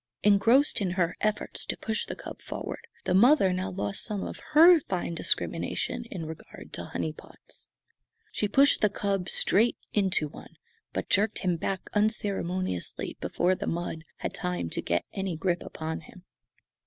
Engrossed in her efforts to push the cub forward, the mother now lost some of her fine discrimination in regard to "honey pots." She pushed the cub straight into one; but jerked him back unceremoniously before the mud had time to get any grip upon him.